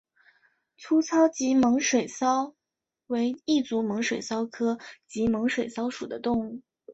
粗糙棘猛水蚤为异足猛水蚤科棘猛水蚤属的动物。